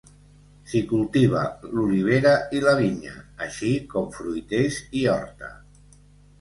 S'hi cultiva l'olivera i la vinya, així com fruiters i horta.